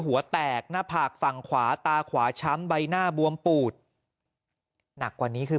หัวแตกหน้าผากฝั่งขวาตาขวาช้ำใบหน้าบวมปูดหนักกว่านี้คือ